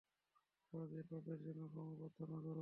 আমাদের পাপের জন্যে ক্ষমা প্রার্থনা করুন।